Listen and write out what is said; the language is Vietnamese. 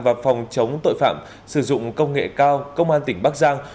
và phòng chống tội phạm sử dụng công nghệ cao công an tỉnh bắc giang